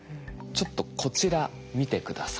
ちょっとこちら見て下さい。